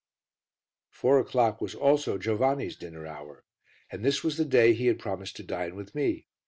Four o'clock was also Giovanni's dinner hour, and this was the day he had promised to dine with me.